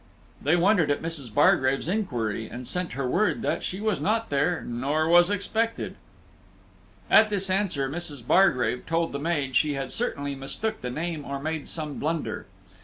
They wondered at Mrs. Bargrave's inquiry, and sent her word she was not there, nor was expected. At this answer, Mrs. Bargrave told the maid she had certainly mistook the name or made some blunder.